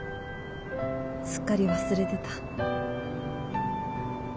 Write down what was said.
すっかり忘れてた。